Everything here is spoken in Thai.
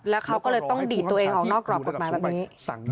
แล้วเขาก็เลยต้องดีดตัวเองออกนอกกรอบกฎหมายแบบนี้